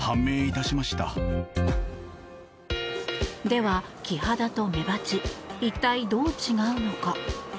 では、キハダとメバチ一体どう違うのか。